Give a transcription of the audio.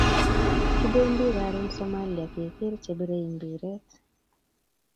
Kipendi karun Somalia keker che bire mpiret